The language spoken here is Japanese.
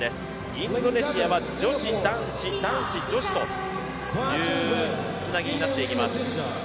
インドネシアは女子、男子、男子、女子というつなぎになっていきます。